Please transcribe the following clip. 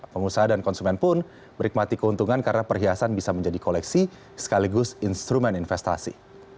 pengusaha dan konsumen pun menikmati keuntungan karena perhiasan bisa menjadi koleksi sekaligus instrumen investasi